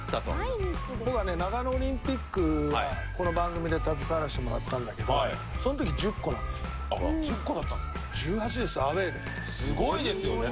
長嶋：僕はね長野オリンピックはこの番組で携わらせてもらったんだけどその時１０個なんですよ。